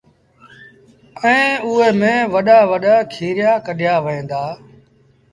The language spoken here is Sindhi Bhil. ائيٚݩ اُئي ميݩ وڏآ وڏآ ڪيٚريآ ڪڍيآ وهيݩ دآ